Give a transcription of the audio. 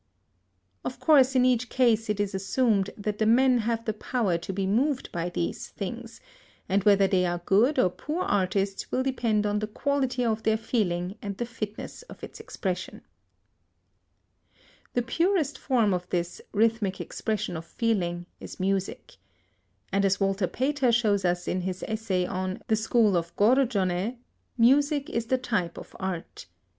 Of course in each case it is assumed that the men have the power to be moved by these things, and whether they are good or poor artists will depend on the quality of their feeling and the fitness of its expression. [Illustration: Plate IV. STUDY ON TISSUE PAPER IN RED CHALK FOR FIGURE OF BOREAS] The purest form of this "rhythmic expression of feeling" is music. And as Walter Pater shows us in his essay on "The School of Giorgione," "music is the type of art."